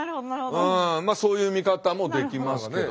まあそういう見方もできますけどね。